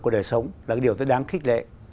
của đời sống là điều rất đáng khích lệ